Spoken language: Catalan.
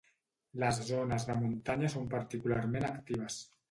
Les zones de muntanya són particularment actives.